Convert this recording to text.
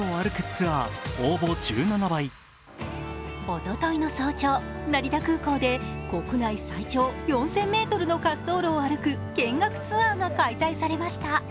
おとといの早朝、成田空港で国内最長４０００ｍの滑走路を歩く見学ツアーが開催されました。